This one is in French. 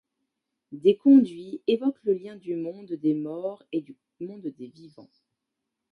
Des conduits évoquent le lien du monde des morts et du monde des vivants.